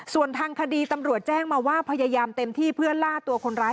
ส่วนทางคดีตำรวจแจ้งมาว่าพยายามเต็มที่เพื่อล่าตัวคนร้าย